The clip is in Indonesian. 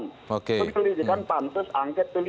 penyelidikan pansus angket p dua